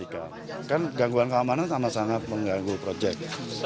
kan gangguan keamanan sama sama mengganggu proyek